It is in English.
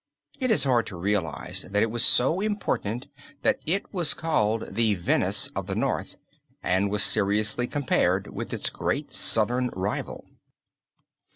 It is hard to realize that it was so important that it was called the Venice of the North, and was seriously compared with its great southern rival.